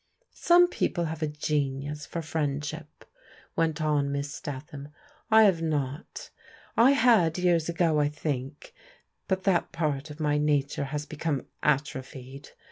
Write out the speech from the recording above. Some people have a genius for friendship," went on Miss Statham. " I have not. I had years ago, I think; but that part of my nature has become atrophied.